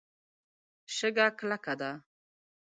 شګه کلکه ده.